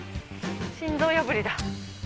心臓破りだ。